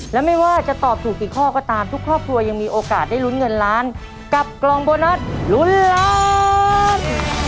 และไม่ว่าจะตอบถูกกี่ข้อก็ตามทุกครอบครัวยังมีโอกาสได้ลุ้นเงินล้านกับกล่องโบนัสลุ้นล้าน